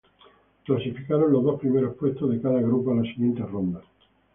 Clasificaron los dos primeros puestos de cada grupo a la siguiente ronda.